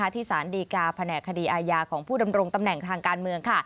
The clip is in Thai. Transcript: ที่สารดีกาแผนกคดีอาญาของผู้ดำรงตำแหน่งทางการเมือง